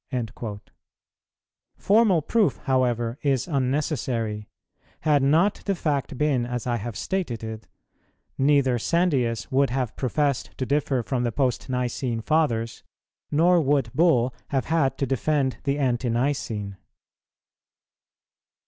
"[136:1] Formal proof, however, is unnecessary; had not the fact been as I have stated it, neither Sandius would have professed to differ from the Post nicene Fathers, nor would Bull have had to defend the Ante nicene.